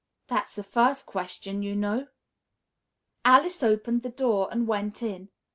"That's the first question, you know." Alice opened the door and went in.